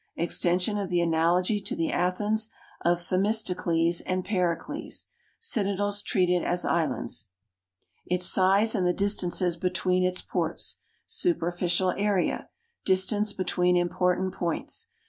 Extension of the analogy to the Athens of Themistocles and Pericles. Citadels treated as islands. Its size and the distances between its ports. Superficial area. Distance between important points.